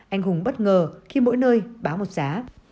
anh hùng bất ngờ khi mỗi nơi báo một giá